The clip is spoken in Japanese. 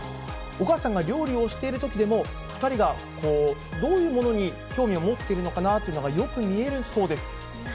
お母さんが料理をしているときでも、２人がどういうものに興味を持ってるのかなというのが、よく見えるそうです。